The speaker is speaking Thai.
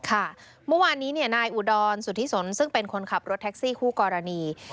เมื่อวานนี้นายอุดรสุธิสนซึ่งเป็นคนขับรถแท็กซี่คู่กรณี